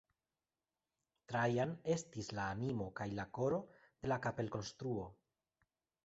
Trajan estis la animo kaj la koro de la kapelkonstruo.